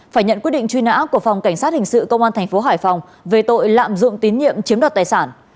phải nhận quyết định truy nã của phòng cảnh sát hình sự công an thành phố hải phòng về tội lạm dụng tín nhiệm chiếm đoạt tài sản